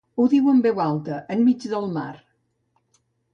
Ho diu en Veu alta, enmig del mar.